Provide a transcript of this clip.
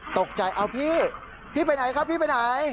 ตกใจเอาพี่พี่ไปไหนครับพี่ไปไหน